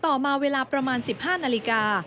ต่อมาเวลาประมาณ๑๕นาฬิกา